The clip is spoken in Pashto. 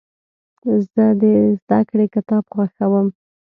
زه د زدهکړې کتاب خوښوم.